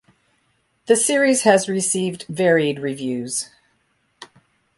The series has received varied reviews.